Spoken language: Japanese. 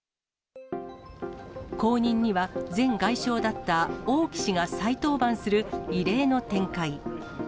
後任には前外相だった王毅氏が再登板する異例の展開。